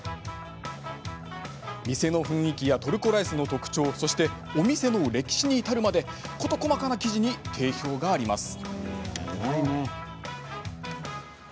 店の雰囲気やトルコライスの特徴そして、お店の歴史に至るまで事細かな記事に定評があります。